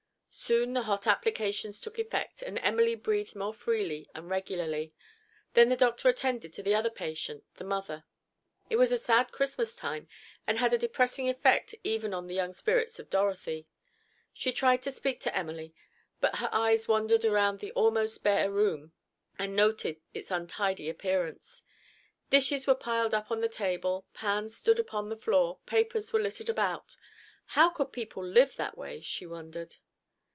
Soon the hot applications took effect, and Emily breathed more freely and regularly. Then the doctor attended to the other patient—the mother. It was a sad Christmas time, and had a depressing effect even on the young spirits of Dorothy. She tried to speak to Emily, but her eyes wandered around at the almost bare room, and noted its untidy appearance. Dishes were piled up on the table, pans stood upon the floor, papers were littered about. How could people live that way? she wondered.